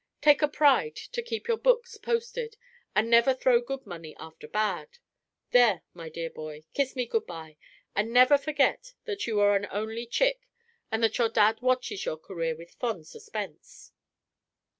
Take a pride to keep your books posted, and never throw good money after bad. There, my dear boy, kiss me good by; and never forget that you are an only chick, and that your dad watches your career with fond suspense."